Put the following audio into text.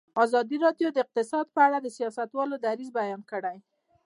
ازادي راډیو د اقتصاد په اړه د سیاستوالو دریځ بیان کړی.